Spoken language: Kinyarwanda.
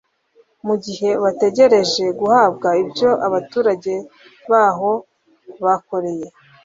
mugihe bategereje guhabwa ibyo abaturage baho bakoreye